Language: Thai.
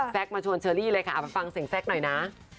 มาชวนเชอรี่เลยค่ะเอาไปฟังเสียงแซ็กหน่อยนะ